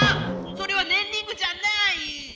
それはねんリングじゃない！